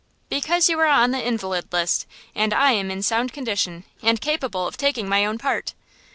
"Because you are on the invalid list and I am in sound condition and capable of taking my own part!"